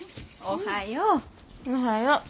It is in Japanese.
おはよう。